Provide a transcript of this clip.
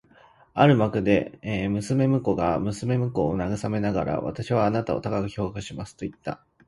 ある幕で姉娘が妹娘を慰めながら、「私はあなたを高く評価します」と言った